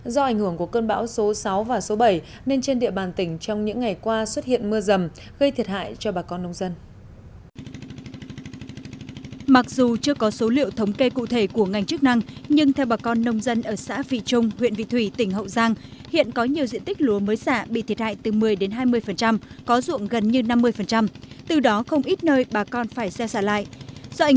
do ảnh hưởng của cơn bão số sáu và số bảy nên trên địa bàn tỉnh trong những ngày qua xuất hiện mưa rầm gây thiệt hại cho bà con